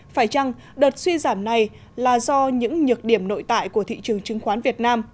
phải chăng đợt suy giảm này là do những nhược điểm nội tại của thị trường chứng khoán việt nam